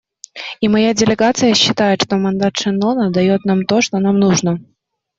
И моя делегация считает, что мандат Шеннона дает нам то, что нам нужно.